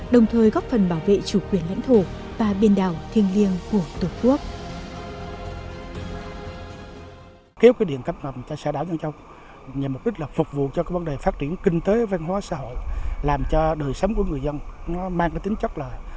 đồng thời góp phần bảo vệ chủ quyền lãnh thổ và biên đảo thiên liêng của tổ quốc